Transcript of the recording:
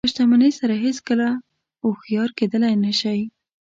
په شتمنۍ سره هېڅکله هوښیار کېدلی نه شئ.